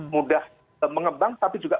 mudah mengembang tapi juga